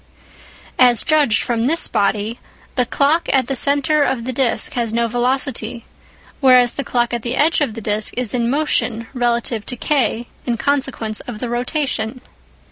As judged from this body, the clock at the centre of the disc has no velocity, whereas the clock at the edge of the disc is in motion relative to K in consequence of the rotation.